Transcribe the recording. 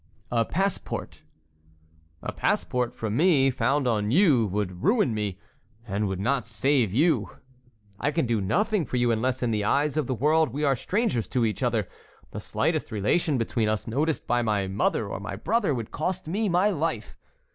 "A passport." "A passport from me found on you would ruin me and would not save you. I can do nothing for you unless in the eyes of the world we are strangers to each other; the slightest relation between us, noticed by my mother or my brother, would cost me my life.